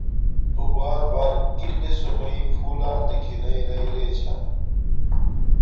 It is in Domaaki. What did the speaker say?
تو بار بار کی قسم میݵ پھولہ دیکھی ناݵ رای رے چھاݵ